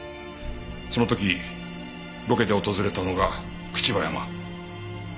その時ロケで訪れたのが朽葉山。